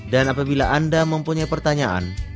dan apabila anda mempunyai pertanyaan